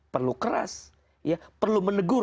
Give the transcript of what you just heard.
perlu keras perlu menegur